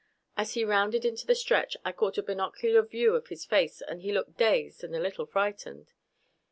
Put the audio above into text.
As he rounded into the stretch I caught a binocular view of his face, and he looked dazed and a little frightened.